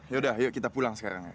yaudah yuk kita pulang sekarang